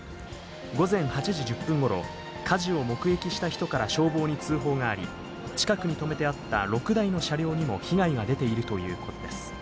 午前８時１０分ごろ、火事を目撃した人から消防に通報があり、近くに止めてあった６台の車両にも被害が出ているということです。